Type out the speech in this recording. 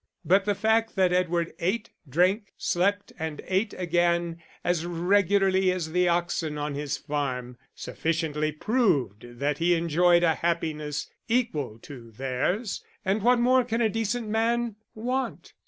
But the fact that Edward ate, drank, slept, and ate again, as regularly as the oxen on his farm, sufficiently proved that he enjoyed a happiness equal to theirs and what more can a decent man want?